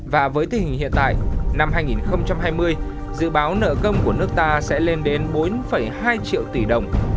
và với tình hình hiện tại năm hai nghìn hai mươi dự báo nợ công của nước ta sẽ lên đến bốn hai triệu tỷ đồng